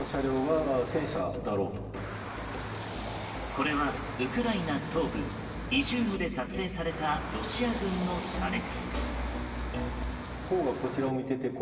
これはウクライナ東部イジュームで撮影されたロシア軍の車列。